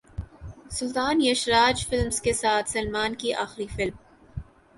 سلطان Yash Raj films کے ساتھ سلمان کی اخری فلم